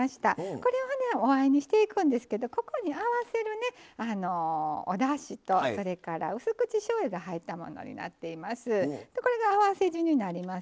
これは、おあえにしていくんですけどここに合わせる、おだしとうす口しょうゆが入ったものになっています。